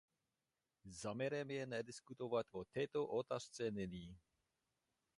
Záměrem je nediskutovat o této otázce nyní.